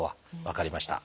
分かりました。